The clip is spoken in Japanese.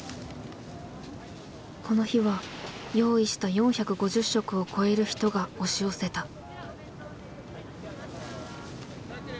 この日は用意した４５０食を超える人が押し寄せた。